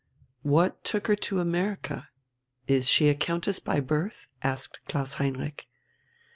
"What took her to America? Is she a countess by birth?" asked Klaus Heinrich.